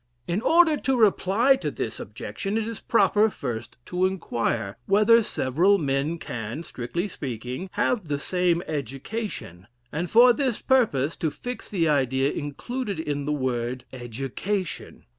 In order to reply to this objection, it is proper first to inquire, whether several men can, strictly speaking, have the same education; and for this purpose to fix the idea included in the word Education.